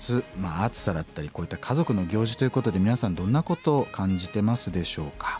暑さだったりこういった家族の行事ということで皆さんどんなことを感じてますでしょうか？